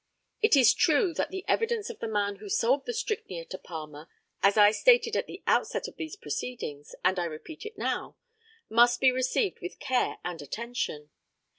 It is true that the evidence of the man who sold the strychnia to Palmer, as I stated at the outset of these proceedings, and I repeat it now, must be received with care and attention.